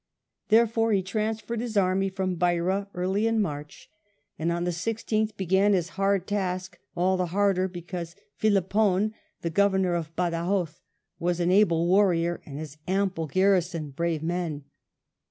Therefore he transferred his army from Beira early in March, i6o WELLINGTON chap. and on the 16th began his hard task, all the harder because Philippon, the Grovemor of Badajos, was an able warrior and his ample g&rrison brave men.